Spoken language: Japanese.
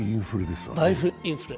大インフレ。